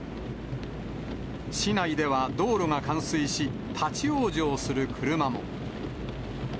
市内では道路が冠水し、立往生する車も。